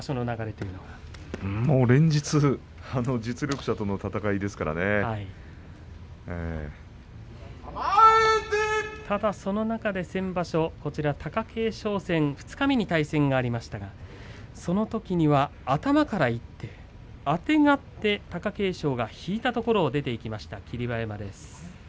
連日、実力者との先場所、貴景勝戦二日目に対戦がありましたがそのときには頭からいってあてがって貴景勝が引いたところを出ていきました霧馬山です。